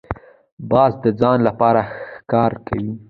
باز د ځان لپاره ښکار کوي